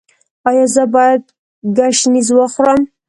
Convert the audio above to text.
ایا زه باید ګشنیز وخورم؟